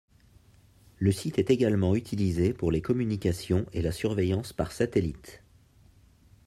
Le site est également utilisé pour les communications et la surveillance par satellite.